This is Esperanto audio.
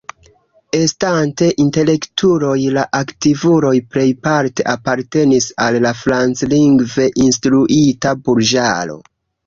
Estante intelektuloj, la aktivuloj plejparte apartenis al la franclingve instruita burĝaro.